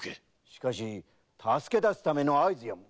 しかし助け出すための合図やも。